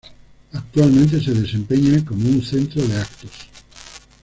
Actualmente se desempeña como un centro de eventos.